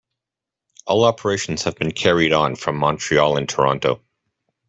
All operations have been carried on from Montreal and Toronto.